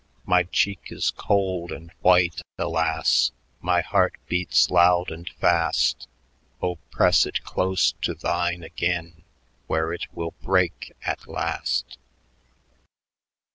My cheek is cold and white, alas! My heart beats loud and fast; Oh! press it close to thine again Where it will break at last."